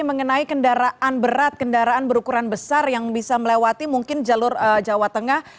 mengenai kendaraan berat kendaraan berukuran besar yang bisa melewati mungkin jalur jawa tengah